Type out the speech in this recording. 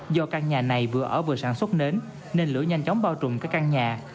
do căn nhà này vừa ở vừa sản xuất nến nên lửa nhanh chóng bao trùm tới căn nhà